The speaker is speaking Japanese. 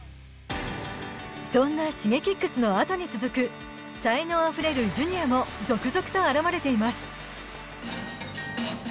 そんなＳｈｉｇｅｋｉｘのあとに続く才能あふれるジュニアも続々と現れています。